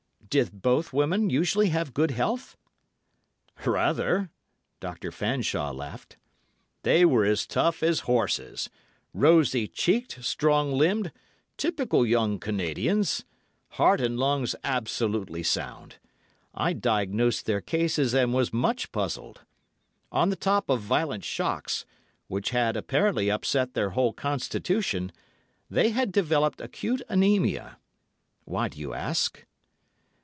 "Did both women usually have good health?" "Rather," Dr. Fanshawe laughed; "they were as tough as horses—rosy cheeked, strong limbed, typical young Canadians. Heart and lungs absolutely sound. I diagnosed their cases and was much puzzled. On the top of violent shocks, which had apparently upset their whole constitution, they had developed acute anæmia. Why do you ask?"